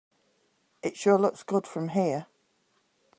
It sure looks good from here.